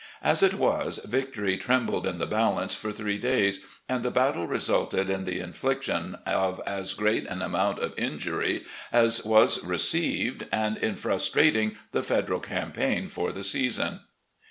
As it was, victory trembled in the balance for three days, and the battle resulted in the infliction of as great an amount of injmy as was received and in frustrating the Federal campaign for the season."